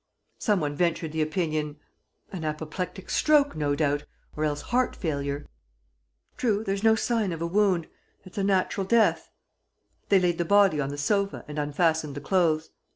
Some one ventured the opinion: "An apoplectic stroke, no doubt ... or else heart failure." "True, there's no sign of a wound ... it's a natural death." They laid the body on the sofa and unfastened the clothes.